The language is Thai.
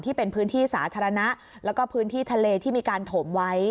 ที่เป็นพื้นที่สาธารณะแล้วก็พื้นที่ทะเลที่มีการถมไว้